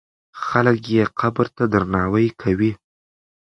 خلک یې قبر ته درناوی کوي.